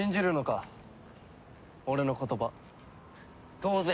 当然。